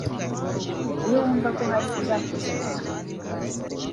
iyo wumva ko hari uzakuzanira amajyambere